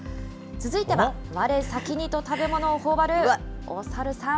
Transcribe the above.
続いてはわれ先にと食べ物をほおばるお猿さん。